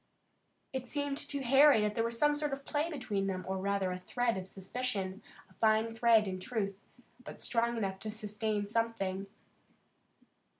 It seemed to Harry that there was some sort of play between them, or rather a thread of suspicion, a fine thread in truth, but strong enough to sustain something.